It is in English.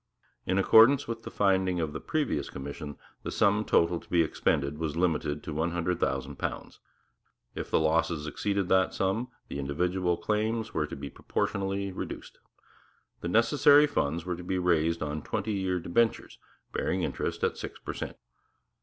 In accordance with the finding of the previous commission, the total sum to be expended was limited to £100,000. If the losses exceeded that sum, the individual claims were to be proportionally reduced. The necessary funds were to be raised on twenty year debentures bearing interest at six per cent.